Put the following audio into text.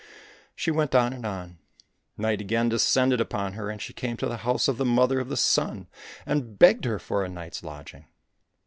She went on and on. Night again descended upon her, and she came to the house of the Mother of the Sun, and begged her for a night's lodging.